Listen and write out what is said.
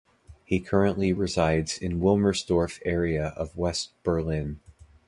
He currently resides in Wilmersdorf area of West-Berlin.